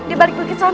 di balik balik sana